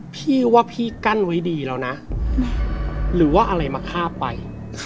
พี่ว่าพี่กั้นไว้ดีแล้วนะหรือว่าอะไรมาฆ่าไป